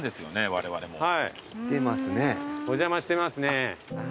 お邪魔してますね。